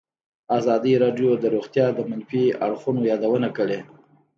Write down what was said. ازادي راډیو د روغتیا د منفي اړخونو یادونه کړې.